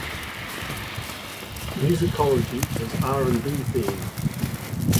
"Musicology" is R and B themed.